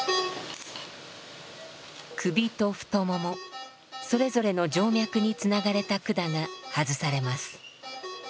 首と太ももそれぞれの静脈につながれた管が外されます。